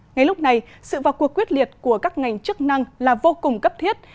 ngay lúc này sự vào cuộc quyết liệt của các ngành chức năng là vô cùng cấp thiết